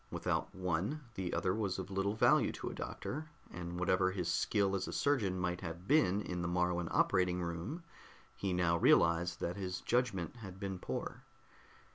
Without one the other was of little value to a doctor, and whatever his skill as a surgeon might have been in the Moruan operating room, he now realized that his judgment had been poor.